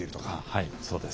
はいそうです。